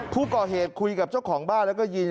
ผู้ก่อเหตุคุยกับเจ้าของบ้านแล้วก็ยิน